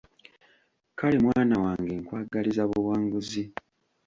Kale mwana wange nkwagaliza buwanguzi!